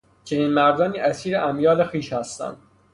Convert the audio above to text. چنین مردانی اسیر امیال خویش هستند.